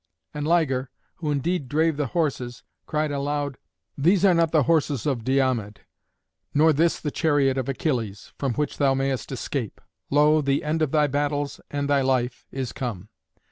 And Liger, who indeed drave the horses, cried aloud, "These are not the horses of Diomed, nor this the chariot of Achilles, from which thou mayest escape. Lo! the end of thy battles and thy life is come."